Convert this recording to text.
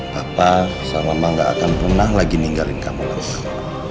papa sama mama gak akan pernah lagi ninggalin kamu lama lama